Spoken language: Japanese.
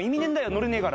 乗れねえから。